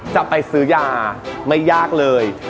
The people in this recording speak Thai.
จะไปซื้อยาไม่ยากเลย